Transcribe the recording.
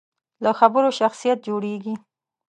له خبرو شخصیت جوړېږي.